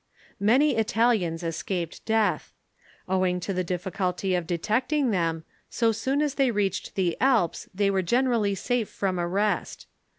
Many Italians escaped death. Owing to the difficulty of detecting them, so soon as they reached the Alps they were fjenerally safe from arrest.